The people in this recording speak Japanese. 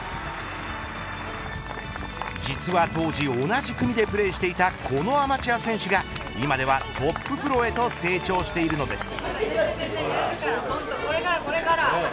実は当時同じ組でプレーをしていたこのアマチュア選手が今ではトッププロへと成長しているのです。